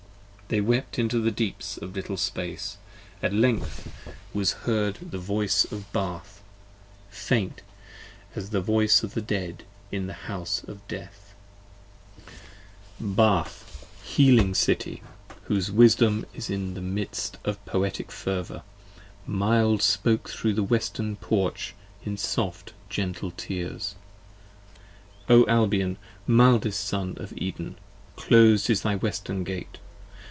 They wept into the deeps a little space: at length was heard 5 1 45 The voice of Bath, faint as the voice of the Dead in the House of Death, p. 45 BATH, healing City! whose wisdom, in midst of Poetic Fervor, mild spoke thro' the Western Porch, in soft gentle tears. O Albion, mildest Son of Eden! clos'd is thy Western Gate.